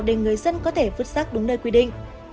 để người dân có thể vứt sát đúng nơi quy định